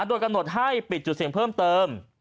โดยกำหนดให้ปิดจุดเสี่ยงเพิ่มเติม